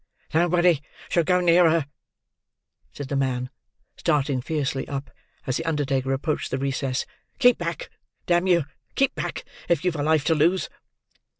"Nobody shall go near her," said the man, starting fiercely up, as the undertaker approached the recess. "Keep back! Damn you, keep back, if you've a life to lose!"